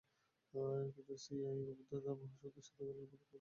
কিন্তু সিবিআইয়ের গোয়েন্দারা বহু অনুসন্ধান করেও নোবেল পদক খুঁজে বের করতে পারেনি।